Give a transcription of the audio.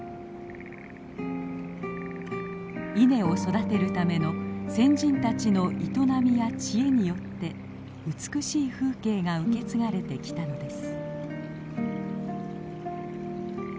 稲を育てるための先人たちの営みや知恵によって美しい風景が受け継がれてきたのです。